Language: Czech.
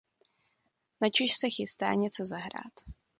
Načež se chystá něco zahrát.